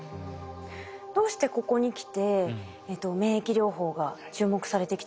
どうしてここにきて免疫療法が注目されてきたんですか？